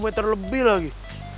satu meter lebih lagi